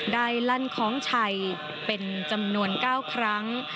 ได้ลั่นของชัยเป็นจำนวน๙ครั้ง